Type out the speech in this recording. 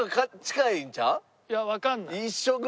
いやわからない。